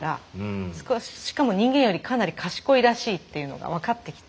しかも人間よりかなり賢いらしいっていうのが分かってきて。